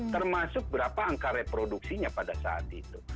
termasuk berapa angka reproduksinya pada saat itu